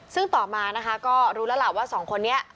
ซึ่งต่อมานะคะก็รู้แล้วล่ะว่าสองคนนี้